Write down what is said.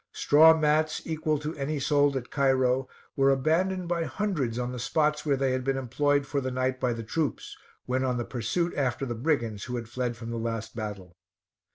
Straw mats, equal to any sold at Cairo, were abandoned by hundreds on the spots where they had been employed for the night by the troops, when on the pursuit after the brigands who had fled from the last battle.